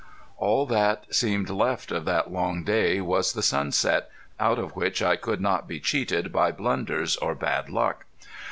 All that seemed left of that long day was the sunset, out of which I could not be cheated by blunders or bad luck.